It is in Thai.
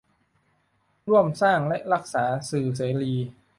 ร่วมสร้างและรักษาสื่อเสรี